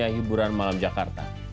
saya hiburan malam jakarta